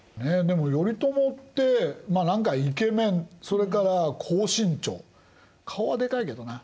でも頼朝ってまあ何かイケメンそれから高身長顔はでかいけどな。